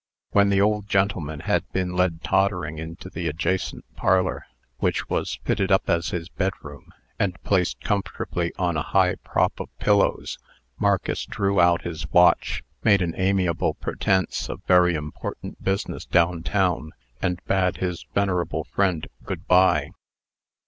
When the old gentleman had been led tottering into the adjacent parlor, which was fitted up as his bedroom, and placed comfortably on a high prop of pillows, Marcus drew out his watch, made an amiable pretence of very important business down town, and bade his venerable friend "good by."